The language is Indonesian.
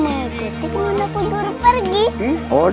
aku mau mengikuti undaku